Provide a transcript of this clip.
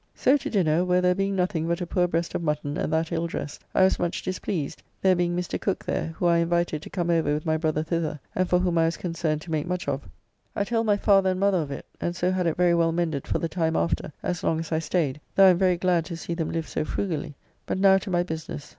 So to dinner, where there being nothing but a poor breast of mutton, and that ill dressed, I was much displeased, there being Mr. Cooke there, who I invited to come over with my brother thither, and for whom I was concerned to make much of. I told my father and mother of it, and so had it very well mended for the time after, as long as I staid, though I am very glad to see them live so frugally. But now to my business.